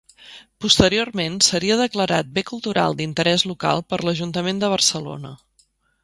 Posteriorment seria declarat bé cultural d’interès local per l'Ajuntament de Barcelona.